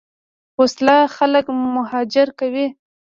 وسله خلک مهاجر کوي